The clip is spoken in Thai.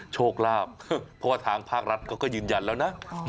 โชคลาภเพราะว่าทางภาครัฐเขาก็ยืนยันแล้วนะ